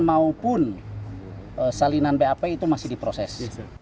maupun salinan bap itu masih diproses